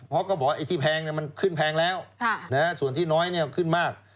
เพราะเขาบอกว่าไอ้ที่แพงมันขึ้นแพงแล้วส่วนที่น้อยขึ้นมาก